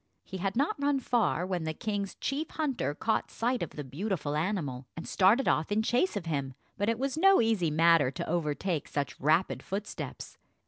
He had not run far when the king's chief hunter caught sight of the beautiful animal, and started off in chase of him; but it was no easy matter to overtake such rapid footsteps.